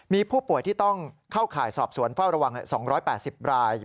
มีผู้ป่วยที่ต้องเข้าข่ายสอบสวนเฝ้าระวัง๒๘๐ราย